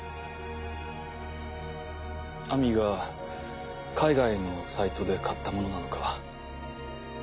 亜美が海外のサイトで買ったものなのか。